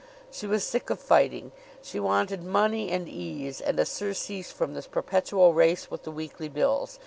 She was sick of fighting. She wanted money and ease, and a surcease from this perpetual race with the weekly bills.